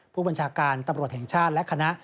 ผู้บัญชาการตำรวจแห่งชาติและคณะ